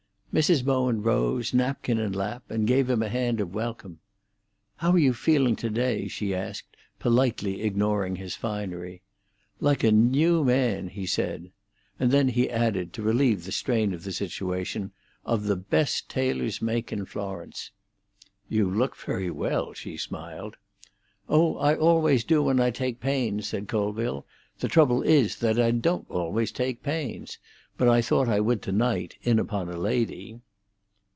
Mrs. Bowen rose, napkin in lap, and gave him a hand of welcome. "How are you feeling to day?" she asked, politely ignoring his finery. "Like a new man," he said. And then he added, to relieve the strain of the situation, "Of the best tailor's make in Florence." "You look very well," she smiled. "Oh, I always do when I take pains," said Colville. "The trouble is that I don't always take pains. But I thought I would to night, in upon a lady."